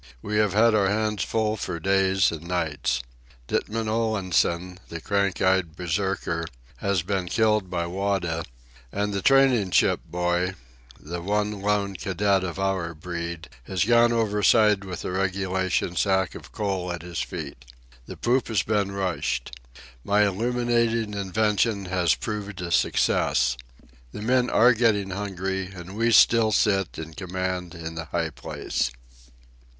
We have had our hands full for days and nights. Ditman Olansen, the crank eyed Berserker, has been killed by Wada, and the training ship boy, the one lone cadet of our breed, has gone overside with the regulation sack of coal at his feet. The poop has been rushed. My illuminating invention has proved a success. The men are getting hungry, and we still sit in command in the high place.